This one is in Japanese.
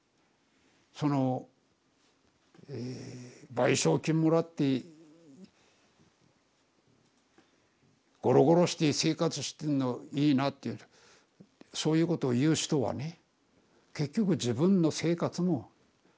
その「賠償金もらってごろごろして生活してんのいいな」ってそういうことを言う人はね結局自分の生活も苦しいんだよ。